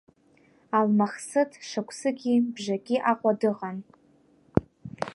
Алмахсыҭ шықәсыки бжаки Аҟәа дыҟан.